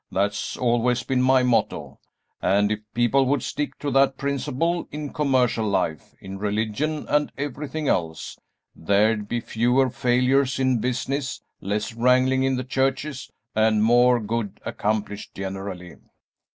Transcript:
That's always been my motto, and if people would stick to that principle in commercial life, in religion, and everything else, there'd be fewer failures in business, less wrangling in the churches, and more good accomplished generally."